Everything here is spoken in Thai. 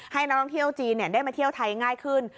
ให้นักท่องเที่ยวจีนได้มาเที่ยวไทยง่ายขึ้น